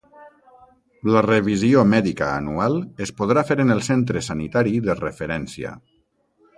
La revisió mèdica anual es podrà fer en el centre sanitari de referència.